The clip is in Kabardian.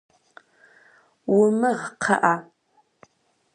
Умыгъ, кхъыӏэ.